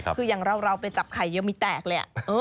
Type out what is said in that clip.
คืออย่างเราไปจับไข่ยังไม่แตกเลย